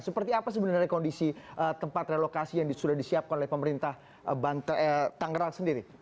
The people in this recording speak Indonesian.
seperti apa sebenarnya kondisi tempat relokasi yang sudah disiapkan oleh pemerintah tangerang sendiri